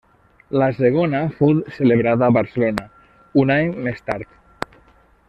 La segona fou celebrada a Barcelona un any més tard.